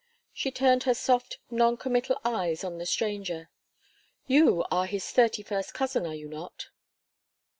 She turned her soft non committal eyes on the stranger. "You are his thirty first cousin, are you not?"